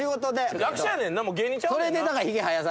役者やねんな。